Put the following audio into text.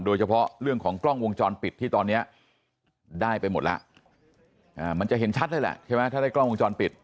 โดยเฉพาะเรื่องของกล้องวงจรปิดที่ตอนนี้ได้ไปหมดแล้วมันจะเห็นชัดเลยแหละใช่ไหมถ้าได้กล้องวงจรปิด